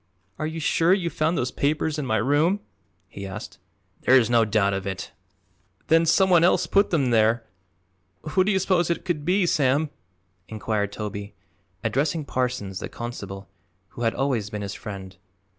"Are you sure you found those papers in my room?" he asked. "There is no doubt of it." "Then some one else put them there. Who do you suppose it could be, Sam?" inquired Toby, addressing Parsons, the constable, who had always been his friend.